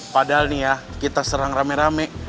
padahal nih ya kita serang rame rame